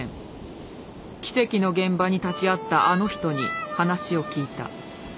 奇跡の現場に立ち会ったあの人に話を聞いた。